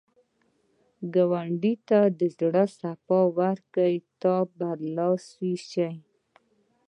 که ګاونډي ته د زړه صفا ورکړې، ته به برلاسی شې